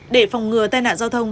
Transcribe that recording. để phòng ngừa tai nạn giao thông